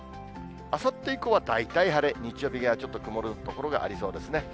あさって以降は大体晴れ、日曜日がちょっと曇る所がありそうですね。